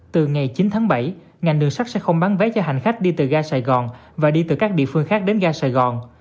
từ ngày chín tháng bảy ngành đường sắt sẽ không bán vé cho hành khách đi từ ga sài gòn và đi từ các địa phương khác đến ga sài gòn